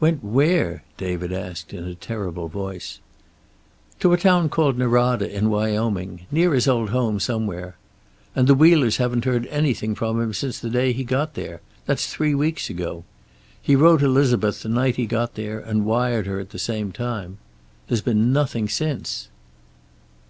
"Went where?" David asked, in a terrible voice. "To a town called Norada, in Wyoming. Near his old home somewhere. And the Wheelers haven't heard anything from him since the day he got there. That's three weeks ago. He wrote Elizabeth the night he got there, and wired her at the same time. There's been nothing since."